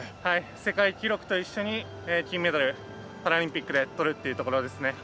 世界記録と一緒に金メダルパラリンピックでとるというところですね。